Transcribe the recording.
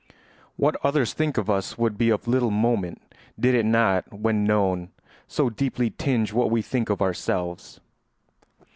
What others think of us would be of little moment did it not, when known, so deeply tinge what we think of ourselves.